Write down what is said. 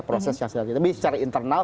proses sosial kita tapi secara internalnya